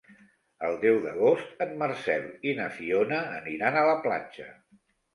El deu d'agost en Marcel i na Fiona aniran a la platja.